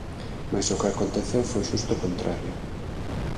Mais o que aconteceu foi xusto o contrario.